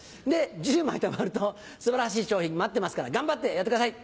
１０枚たまると素晴らしい賞品待ってますから頑張ってやってください